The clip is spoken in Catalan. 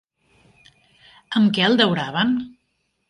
Amb què el dauraven?